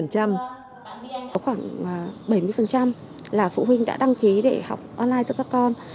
có khoảng bảy mươi là phụ huynh đã đăng ký để học online cho các con